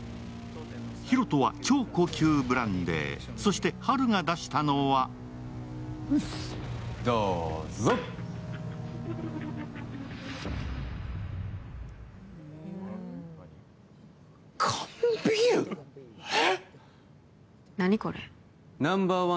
ヒロトは超高級ブランデー、そしてハルが出したのはうっす、どーぞ！缶ビール？え？